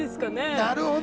なるほど。